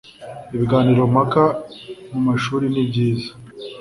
Ibiganiro mpaka mu mashuri nibyiza